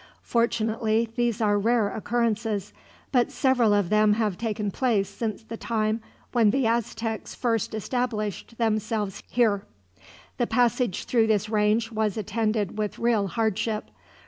Fortunately, these are rare occurrences; but several of them have taken place since the time when the Aztecs first established themselves here." The passage through this range was attended with real hardship.